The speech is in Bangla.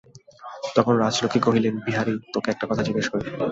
তখন রাজলক্ষ্মী কহিলেন, বিহারী, তোকে একটা কথা জিজ্ঞাসা করি।